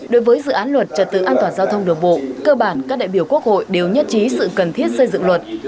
đối với dự án luật trật tự an toàn giao thông đường bộ cơ bản các đại biểu quốc hội đều nhất trí sự cần thiết xây dựng luật